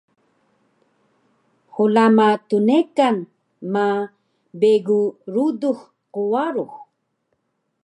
hlama tnekan ma begu ludux qwarux